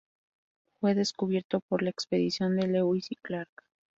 Fue descubierto por la expedición de Lewis y Clark.